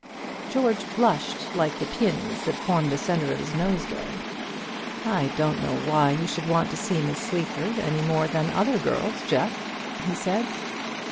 George blushed like the peonies that formed the centre of his nosegay. "I don't know why you should want to see Miss Sleaford any more than other girls, Jeff," he said.